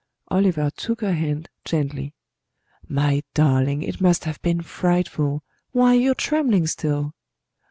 Oliver took her hand gently. "My darling, it must have been frightful. Why, you're trembling still."